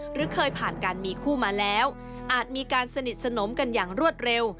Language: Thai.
หรือเคยผ่านการมีคู่มาแล้วอาจมีการสนิทสนมกันอย่างรวดเร็ว